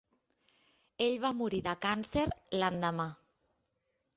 Ell va morir de càncer l'endemà.